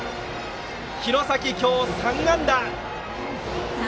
廣崎、今日３安打。